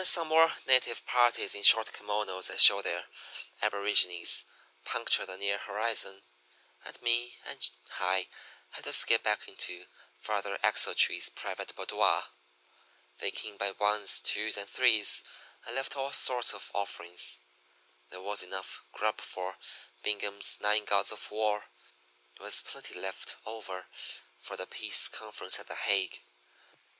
"Then some more native parties in short kimonos that showed their aboriginees punctured the near horizon, and me and High had to skip back into Father Axletree's private boudoir. They came by ones, twos, and threes, and left all sorts of offerings there was enough grub for Bingham's nine gods of war, with plenty left over for the Peace Conference at The Hague.